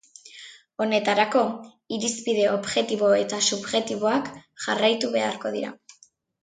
Honetarako, irizpide objektibo eta subjektiboak jarraitu beharko dira.